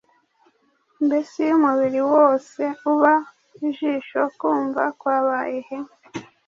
mbese iyo umubiri wose uba ijisho, kumva kwabaye he?